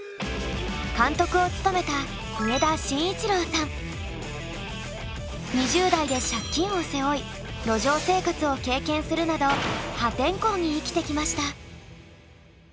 監督を務めた２０代で借金を背負い路上生活を経験するなど破天荒に生きてきました。